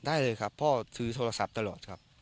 ได้เลยครับพ่อถือโทรศัพท์ตลอดครับ